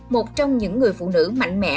một trong những người phụ nữ mạnh mẽ